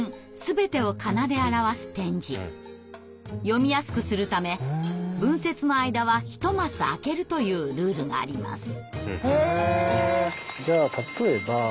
読みやすくするため文節の間は１マス空けるというルールがあります。